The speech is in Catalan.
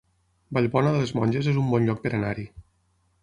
Vallbona de les Monges es un bon lloc per anar-hi